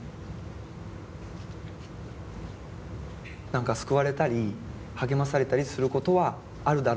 何か救われたり励まされたりすることはあるだろうなと思って。